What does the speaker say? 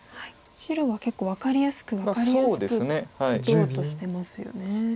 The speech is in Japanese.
白は結構分かりやすく分かりやすく打とうとしてますよね。